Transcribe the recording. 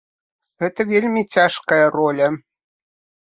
Гэта вельмі цяжкая роля.